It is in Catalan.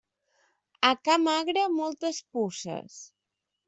A ca magre, moltes puces.